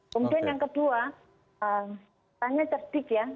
kemudian yang kedua tanya cerdik ya